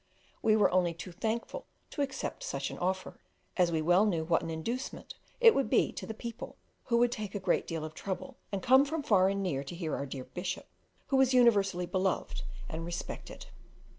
We were only too thankful to accept such an offer, as we well knew what an inducement it would be to the people, who would take a great deal of trouble and come from far and near to hear our dear Bishop, who is universally beloved and respected.